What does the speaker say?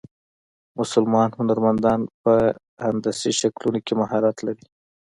مسلمان هنرمندان په هندسي شکلونو کې مهارت لري.